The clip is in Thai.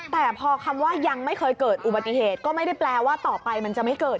แต่พอคำว่ายังไม่เคยเกิดอุบัติเหตุก็ไม่ได้แปลว่าต่อไปมันจะไม่เกิด